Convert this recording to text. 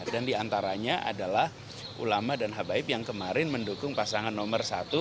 dan diantaranya adalah ulama dan habaib yang kemarin mendukung pasangan nomor satu